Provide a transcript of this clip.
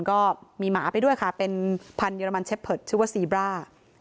ก็มีหมาไปด้วยค่ะเป็นพันธเรมันเชฟเพิร์ตชื่อว่าซีบร่า